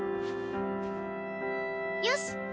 よし！